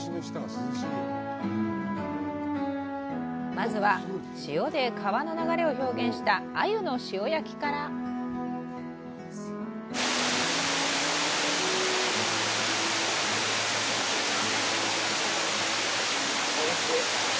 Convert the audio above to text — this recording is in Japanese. まずは塩で川の流れを表現したあゆの塩焼きからおいしい